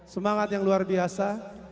semangat yang luar biasa